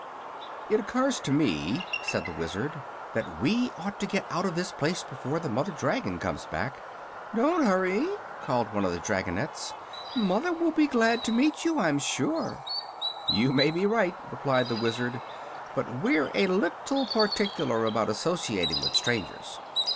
"It occurs to me," said the Wizard, "that we ought to get out of this place before the mother dragon comes back." "Don't hurry," called one of the dragonettes; "mother will be glad to meet you, I'm sure." "You may be right," replied the Wizard, "but we're a little particular about associating with strangers.